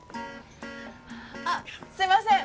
あっすいません。